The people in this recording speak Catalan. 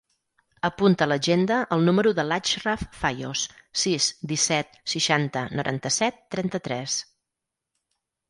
Apunta a l'agenda el número de l'Achraf Fayos: sis, disset, seixanta, noranta-set, trenta-tres.